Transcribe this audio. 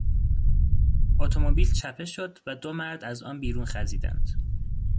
اتومبیل چپه شد و دو مرد از آن بیرون خزیدند.